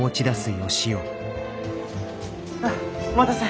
あっお待たせ。